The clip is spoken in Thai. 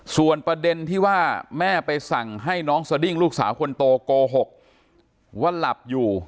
ส่วนประเด็นที่ว่าแม่ไปสั่งให้น้องสดิ้งลูกสาวคนโตโกหกว่าหลับอยู่